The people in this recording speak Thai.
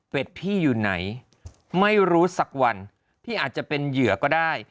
เป็นพี่อยู่ไหนไม่รู้สักวันพี่อาจจะเป็นเหยื่อก็ได้